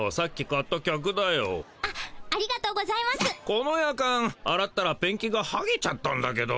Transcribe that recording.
このヤカンあらったらペンキがはげちゃったんだけど。